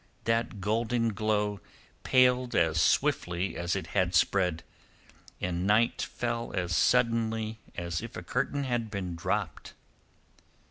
That golden glow paled as swiftly as it had spread, and night fell as suddenly as if a curtain had been dropped.